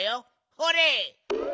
ほれ！